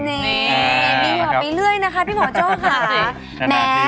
นี่มีออกไปเรื่อยนะคะพี่หมอโจ๊กค่ะ